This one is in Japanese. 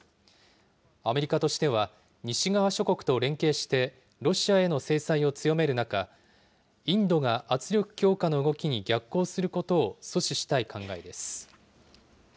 アメリカとしては、西側諸国と連携してロシアへの制裁を強める中、インドが圧力強化の動きに逆行することを阻止したい考えです。